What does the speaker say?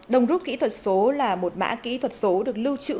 đồng rút kỹ thuật số là một mã kỹ thuật số được lưu trữ